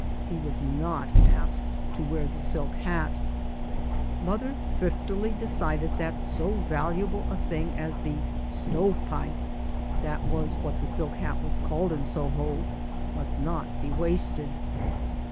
He was not asked to wear the silk hat. Mother thriftily decided that so valuable a thing as the " stove pipe " (that was what the silk hat was called in Soho) must not be wasted.